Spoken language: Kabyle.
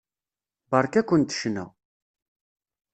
Beṛka-kent ccna.